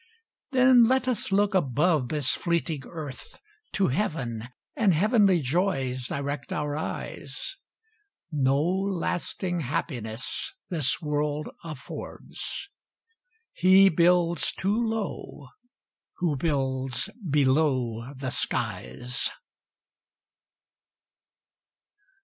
Then let us look above this fleeting earth, To heaven and heavenly joys direct our eyes; No lasting happiness this world affords "He builds too low who builds below the skies."